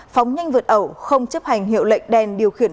phóng nhanh vượt ẩu không chấp hành hiệu lệnh đèn điều khiển rong